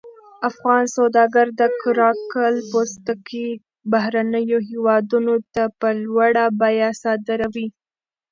افغان سوداګر د قره قل پوستکي بهرنیو هېوادونو ته په لوړه بیه صادروي.